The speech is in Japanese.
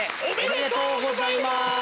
おめでとうございます。